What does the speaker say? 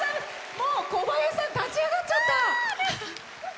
もう、小林さん立ち上がっちゃった！